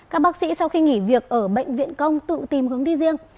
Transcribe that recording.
các bác sĩ sau khi nghỉ việc ở bệnh viện công tự tìm hướng đi riêng